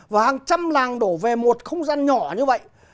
và hàng trăm làng đổ về một không gian nhỏ như vậy